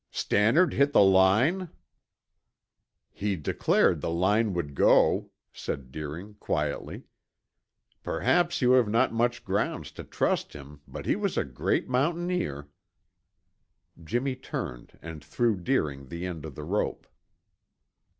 "Stannard hit the line?" "He declared the line would go," said Deering quietly. "Perhaps you have not much grounds to trust him, but he was a great mountaineer." Jimmy turned and threw Deering the end of the rope.